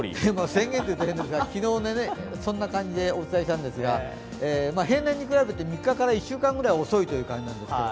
宣言というと変ですが、昨日、そんな感じでお伝えしたんですが平年に比べて３日から１週間くらい遅い梅雨入りですが。